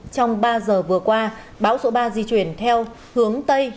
trong ba giờ vừa qua bão số ba di chuyển theo hướng tây